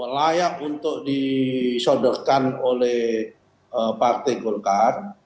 layak untuk disodekan oleh partai golkar